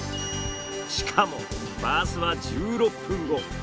しかもバスは１６分後。